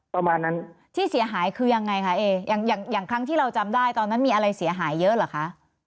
ประมาณนั้นที่เสียหายคือยังไงคะเออย่างอย่างครั้งที่เราจำได้ตอนนั้นมีอะไรเสียหายเยอะเหรอคะ